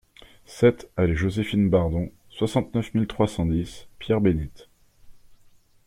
sept allée Joséphine Bardon, soixante-neuf mille trois cent dix Pierre-Bénite